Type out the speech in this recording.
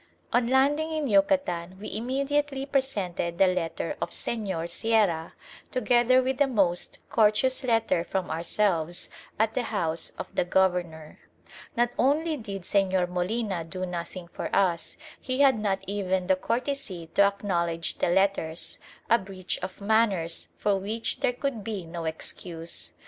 On landing in Yucatan we immediately presented the letter of Señor Sierra, together with a most courteous letter from ourselves, at the House of the Governor. Not only did Señor Molina do nothing for us; he had not even the courtesy to acknowledge the letters; a breach of manners for which there could be no excuse.